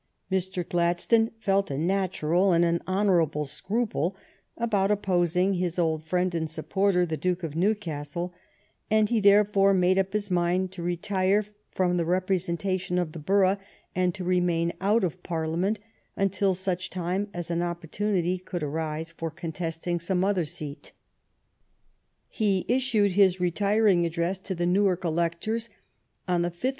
Mr. Gladstone felt a natural and an honorable scruple about opposing his old friend and supporter, the Duke of Newcastle, and he therefore made up his mind to retire from the representation of the borough and to remain out of Parliament until such time as an opportunity could arise for contesting some other seat. He issued his retiring address to the Newark electors on the 5th